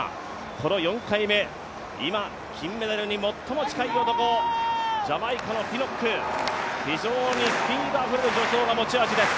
この４回目、今、金メダルに最も近い男ジャマイカのピノック、非常にスピードあふれる助走が持ち味です。